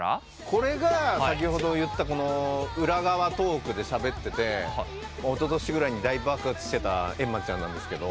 これが先ほど言った裏側トークでしゃべってておととしぐらいに大爆発してた閻魔ちゃんなんですけど。